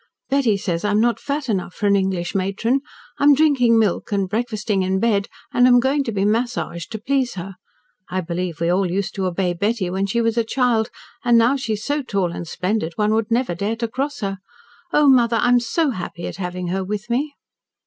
"Betty says I am not fat enough for an English matron. I am drinking milk and breakfasting in bed, and am going to be massaged to please her. I believe we all used to obey Betty when she was a child, and now she is so tall and splendid, one would never dare to cross her. Oh, mother! I am so happy at having her with me!"